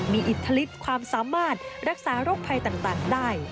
มีอิทธิฤทธความสามารถรักษาโรคภัยต่างได้